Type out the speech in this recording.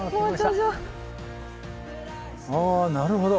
ああなるほど。